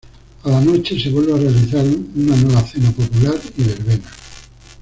A la noche se vuelve a realizar una nueva cena popular y verbena.